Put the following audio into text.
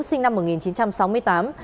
sinh năm một nghìn chín trăm sáu mươi tám